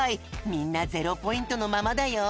みんなゼロポイントのままだよ。